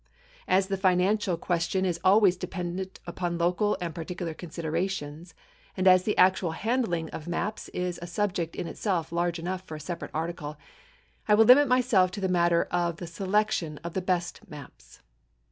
As the financial question is always dependent upon local and particular considerations, and as the actual handling of maps is a subject in itself large enough for a separate article, I will limit myself to the matter of the selection of the best maps.